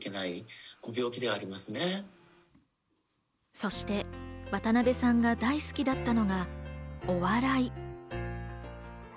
そして、渡辺さんが大好きだったのがお笑い。